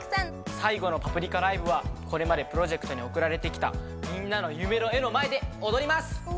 最後の「パプリカ」ライブはこれまでプロジェクトに送られてきたみんなの夢の絵の前で踊ります！